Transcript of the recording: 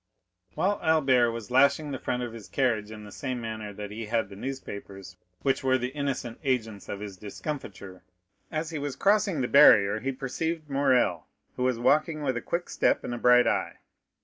40104m While Albert was lashing the front of his carriage in the same manner that he had the newspapers which were the innocent agents of his discomfiture, as he was crossing the barrier he perceived Morrel, who was walking with a quick step and a bright eye.